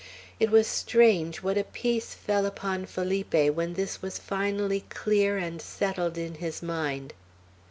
It was strange what a peace fell upon Felipe when this was finally clear and settled in his mind.